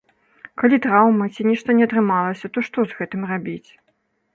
Калі траўма ці нешта не атрымалася, то што з гэтым рабіць?